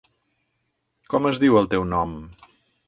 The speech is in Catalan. Com es diu el teu nom?